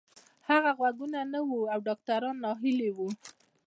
د هغه غوږونه نه وو او ډاکتران ناهيلي وو.